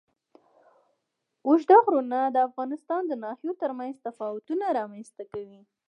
اوږده غرونه د افغانستان د ناحیو ترمنځ تفاوتونه رامنځ ته کوي.